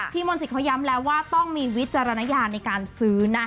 พี่มนตร์สิทธิ์เขาย้ำแล้วว่าต้องมีวิจารณญาในการซื้อนะ